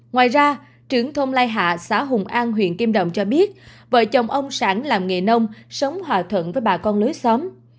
ngoài ra trưởng thôn lai hạ xã hùng an huyện kim đồng cho biết vợ chồng ông sản làm nghề nông sống hòa thuận với bà con lối xóm